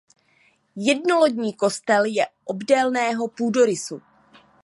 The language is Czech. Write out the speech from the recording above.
Jednolodní kostel je obdélného půdorysu.